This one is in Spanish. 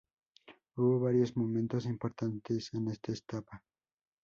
Hubo varios momentos importantes en esa etapa.